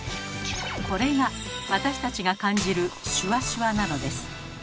これが私たちが感じるシュワシュワなのです。